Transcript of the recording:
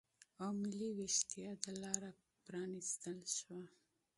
او ملي وېښتیا ته لاره پرا نستل شوه